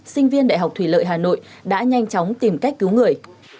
sinh viên đại học thủy lợi hà nội đã nhanh chóng tìm cách cứu người